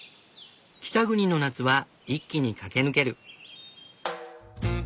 北国の夏は一気に駆け抜ける。